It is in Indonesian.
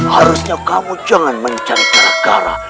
harusnya kamu jangan mencari gara gara